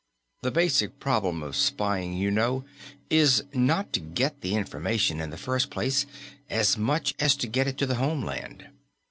The basic problem of spying, you know, is not to get the information in the first place as much as to get it to the homeland.